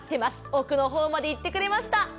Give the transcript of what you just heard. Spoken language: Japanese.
奥の方まで行ってくれました。